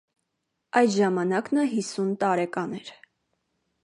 Այդ ժամանակ նա հիսուն տարեկան էր։